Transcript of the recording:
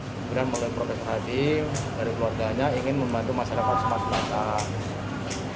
kemudian bagai profesor hardi dari keluarganya ingin membantu masyarakat sumatera selatan